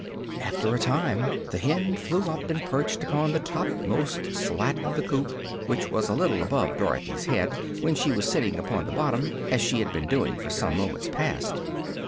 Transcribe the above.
After a time the hen flew up and perched upon the topmost slat of the coop, which was a little above Dorothy's head when she was sitting upon the bottom, as she had been doing for some moments past.